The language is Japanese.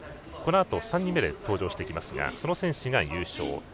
このあと３人目で登場しますがそのリジクが優勝。